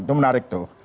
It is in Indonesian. itu menarik tuh